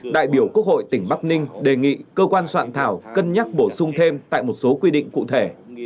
đại biểu quốc hội tỉnh bắc ninh đề nghị cơ quan soạn thảo cân nhắc bổ sung thêm tại một số quy định cụ thể